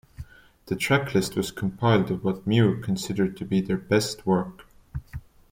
The track list was compiled of what Mew consider to be their "best work".